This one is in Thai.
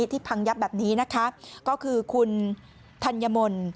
ที่พังยับแบบนี้ก็คือคุณธัญมนธ์